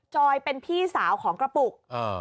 จอยเป็นพี่สาวของกระปุก